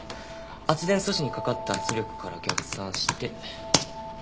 圧電素子にかかった圧力から逆算して。